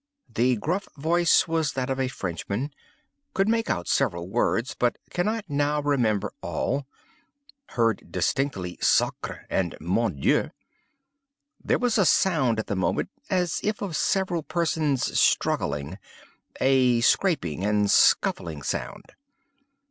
The gruff voice was that of a Frenchman. Could make out several words, but cannot now remember all. Heard distinctly 'sacré' and 'mon Dieu.' There was a sound at the moment as if of several persons struggling—a scraping and scuffling sound.